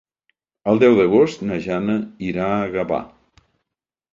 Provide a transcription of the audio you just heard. El deu d'agost na Jana irà a Gavà.